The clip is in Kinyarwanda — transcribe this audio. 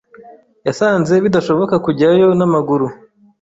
Yasanze bidashoboka kujyayo n'amaguru.